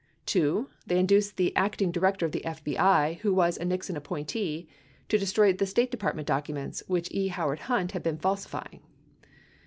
2. They induced the Acting Director of the FBI, who was a Nixon appointee, to destroy the State Department documents which E. Howard Hunt had been falsifying.